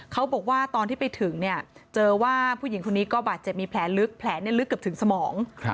เขาบอกว่าตอนที่ไปถึงเนี่ยเจอว่าผู้หญิงคนนี้ก็บาดเจ็บมีแผลลึกแผลลึกเกือบถึงสมอง